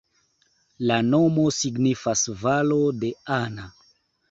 La nomo signifas valo de Anna.